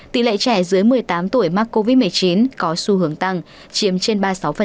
tỷ lệ trẻ dưới một mươi tám tuổi mắc covid một mươi chín có xu hướng tăng chiếm trên ba mươi sáu